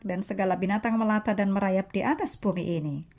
dan segala binatang melata dan merayap di atas bumi ini